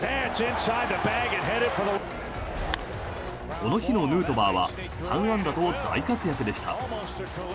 この日のヌートバーは３安打と大活躍でした。